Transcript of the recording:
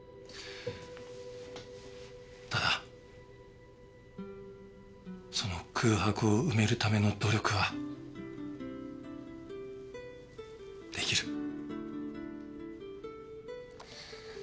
ただその空白を埋めるための努力はできる。